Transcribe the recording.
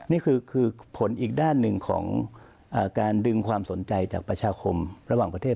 นี่คือผลอีกด้านหนึ่งของการดึงความสนใจจากประชาคมระหว่างประเทศ